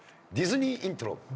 ディズニーイントロ。